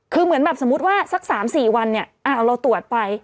คือเหมือนสมมติว่าสัก๓๔วันเราตรวจไป